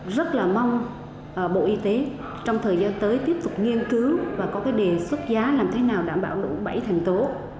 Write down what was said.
rất là mong bộ y tế trong thời gian tới tiếp tục nghiên cứu và có cái đề xuất giá làm thế nào đảm bảo đủ bảy thành tố